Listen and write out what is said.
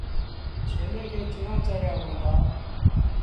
ڇيلي کي چڻآݩ چآريآ وهن دآ۔